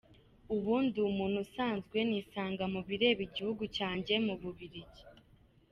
Ubundi ndi umuntu usanzwe nisanga mubireba igihugu cyanjye mu Bubirigi.